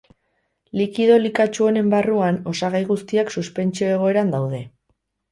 Likido likatsu honen barruan, osagai guztiak suspentsio egoeran daude.